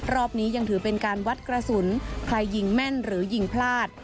รอบนี้ยังถือเป็นการวัดกระสุนใครยิงแม่นหรือยิงพลาด